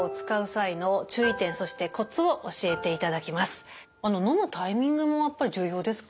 最後はのむタイミングもやっぱり重要ですか？